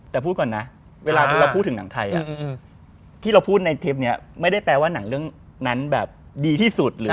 แต่พูดก่อนนะเวลาที่เราพูดถึงหนังไทยที่เราพูดในเทปนี้ไม่ได้แปลว่าหนังเรื่องนั้นแบบดีที่สุดหรือ